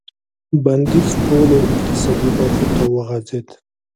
بندیز ټولو اقتصادي برخو ته وغځېد.